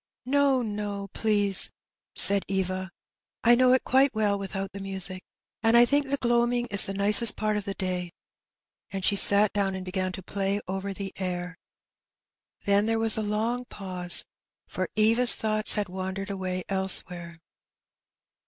"No, no, aunt, please," said Eva; "I know it quite well without the music, and I think the gloaming is the nicest part of the day;" and she sat down and began to Recognition. 267 play over the air; Uien there was a long paose^ for Eva's thoughts had wandered away elsewhere.